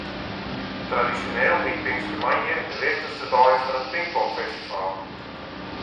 tradisjoneel wie pinkerstermoandei de wichtichste dei fan it Pinkpopfestival.